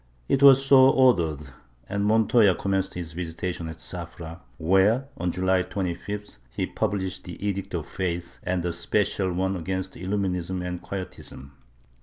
It v/as so ordered, and Montoya com menced his visitation at Zafra, where, on July 25th he published the Edict of Faith, and a special one against Illuminism and Quiet ism.